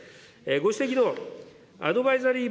ご指摘のアドバイザリー